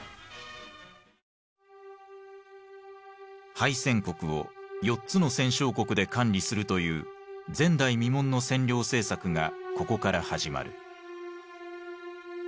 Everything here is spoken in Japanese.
敗戦国を４つの戦勝国で管理するという前代未聞の占領政策がここから始まる。